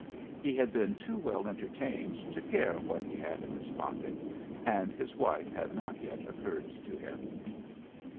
He had been too well entertained to care what he had in his pocket, and his wife had not yet occurred to him.